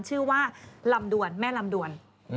ชื่อว่าลำดวนแม่ลำดวน